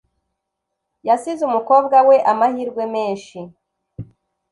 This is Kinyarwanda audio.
Yasize umukobwa we amahirwe menshi